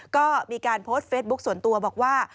ก็มีการโพสต์เฟซบุ๊คส่วนตัวบอกว่า